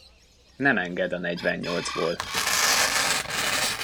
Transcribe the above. Nem enged a negyvennyolcból.